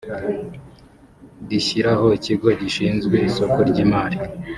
rishyiraho ikigo gishinzwe isoko ry imari